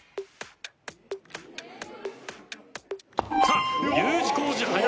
さあＵ字工事早い。